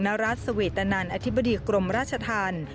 รัฐสเวตนันอธิบดีกรมราชธรรม